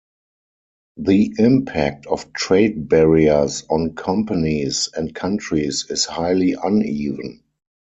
The impact of trade barriers on companies and countries is highly uneven.